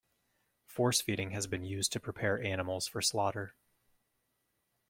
Force-feeding has been used to prepare animals for slaughter.